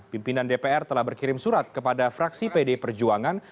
pimpinan dpr telah berkirim surat kepada fraksi pd perjuangan